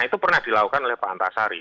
itu pernah dilakukan oleh pak antasari